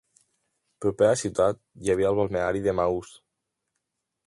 Proper a la ciutat hi havia el balneari d'Emmaús.